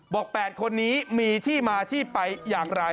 ๘คนนี้มีที่มาที่ไปอย่างไร